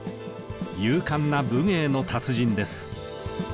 勇敢な武芸の達人です。